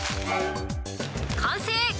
完成！